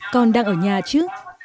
con đang ở nhà chứ